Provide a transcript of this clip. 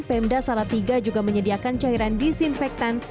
pemda salatiga juga menyediakan cairan disinfektan